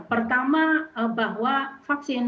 pertama bahwa vaksin